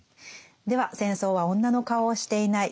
では「戦争は女の顔をしていない」